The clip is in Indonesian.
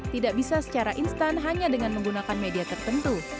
tidak bisa secara instan hanya dengan menggunakan media tertentu